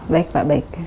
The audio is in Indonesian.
baik pak baik